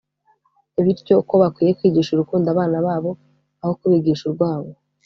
bityo ko bakwiye kwigisha urukundo abana babo aho kubigisha urwango